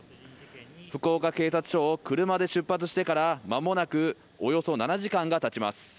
福岡警察署を車で出発してから、間もなくおよそ７時間がたちます。